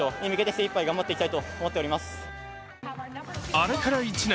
あれから１年。